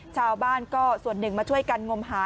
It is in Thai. ชาวบ้านก็ส่วนหนึ่งมาช่วยกันงมหา